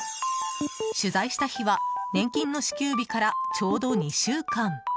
取材した日は、年金の支給日からちょうど２週間。